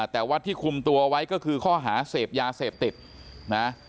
แต่ว่าที่คุมตัวไว้ก็คือข้อหาเสพยาเสพติดนะ